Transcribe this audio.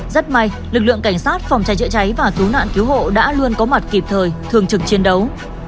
rất may lực lượng cảnh sát phòng cháy chữa cháy và cứu nạn cứu hộ đã luôn có mặt kịp thời thường trực chiến đấu